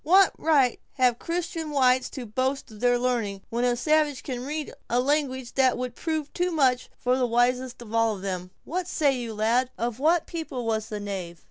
What right have Christian whites to boast of their learning, when a savage can read a language that would prove too much for the wisest of them all! What say you, lad, of what people was the knave?"